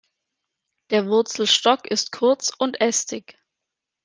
Der Wurzelstock ist kurz und ästig.